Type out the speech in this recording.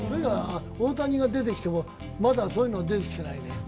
大谷が出てきてもまだそういうのは出てきてないね。